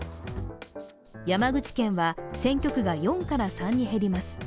山口県は選挙区が４から３に減ります。